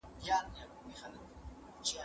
زه مخکي تکړښت کړي وو!